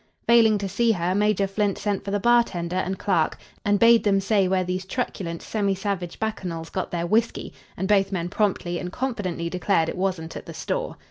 Failing to see her, Major Flint sent for the bartender and clerk, and bade them say where these truculent, semi savage bacchanals got their whiskey, and both men promptly and confidently declared it wasn't at the store.